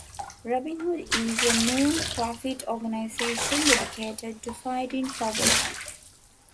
Robin Hood is a non-profit organization dedicated to fighting poverty.